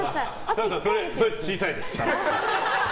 ＳＡＭさん、それ小さいです。